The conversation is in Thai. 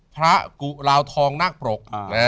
พระกุลาวทองนักปรก